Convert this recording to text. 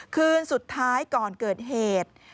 คืนสุดท้ายก่อนเกิดเหตุ